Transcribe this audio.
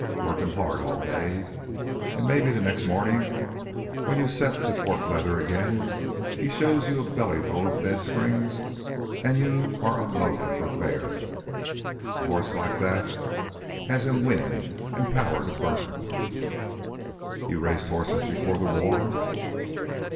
Work him hard all day, an' maybe the next mornin' when you're set to fork leather again, he shows you a bellyfull of bedsprings an' you're unloaded for fair. A hoss like that has him wind an' power to burn " "You raised horses before the war?"